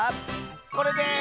これです！